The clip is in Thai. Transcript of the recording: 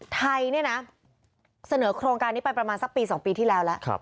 ไทยเนี่ยนะเสนอโครงการนี้ไปประมาณสักปี๒ปีที่แล้วแล้ว